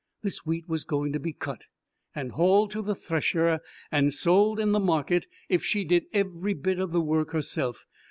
This wheat was going to be cut, and hauled to the thresher, and sold in the market, if she did every bit of the work herself.